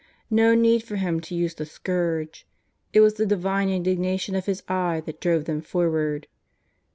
'No need for Him to use the scourge. It was the Divine indignation of His eye that drove them forward.